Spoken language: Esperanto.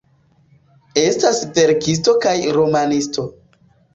Estas verkisto kaj romanisto.